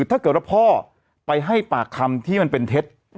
ถ้าเกิดว่าพ่อไปให้ปากคำที่มันเป็นเท็จ